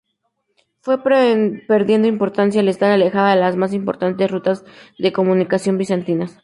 Fue perdiendo importancia al estar alejada de las más importantes rutas de comunicación bizantinas.